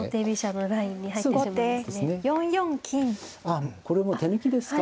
あこれもう手抜きですか。